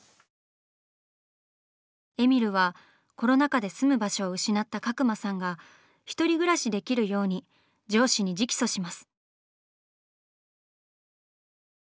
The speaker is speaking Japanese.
えみるはコロナ禍で住む場所を失った角間さんが１人暮らしできるように上司に直訴します。